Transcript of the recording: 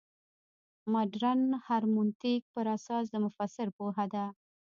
مډرن هرمنوتیک پر اساس د مفسر پوهه ده.